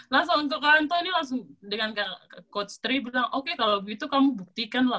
langsung untuk kanto ini langsung dengan coach tiga bilang oke kalau begitu kamu buktikan lah